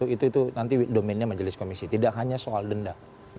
itu nanti domennya majelis komisi tidak hanya soal denda